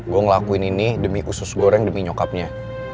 gue ngelakuin ini demi khusus goreng demi nyokapnya